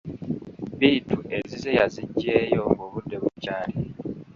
Bittu ezize yaziggyeyo ng'obudde bukyali.